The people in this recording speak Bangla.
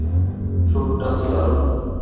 স্যুটটা তো দারুণ।